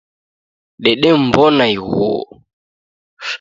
Dedemw'ona ighuo.